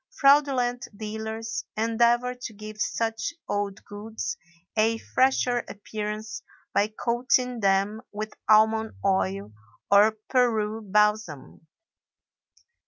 Fraudulent dealers endeavor to give such old goods a fresher appearance by coating them with almond oil or Peru balsam.